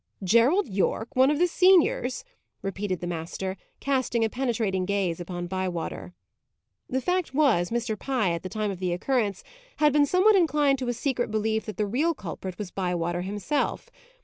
"Gerald Yorke! One of the seniors!" repeated the master, casting a penetrating gaze upon Bywater. The fact was, Mr. Pye, at the time of the occurrence, had been somewhat inclined to a secret belief that the real culprit was Bywater himself.